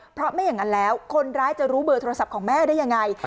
เพราะไม่อย่างนั้นแล้วคนร้ายจะรู้เบอร์โทรศัพท์ของแม่ได้ยังไง